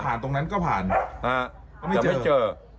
ตรงนั้นก็ผ่านก็ไม่เจอ